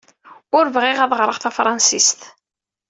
Ur bɣiɣ ad ɣreɣ tafṛensist.